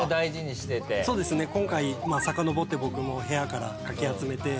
そうですね今回さかのぼって僕の部屋からかき集めて。